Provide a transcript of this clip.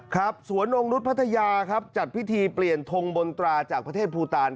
ครับสวนองค์นุฏภัทยาครับจัดพิธีเปลี่ยนทงบนตราจากประเทศพูตาล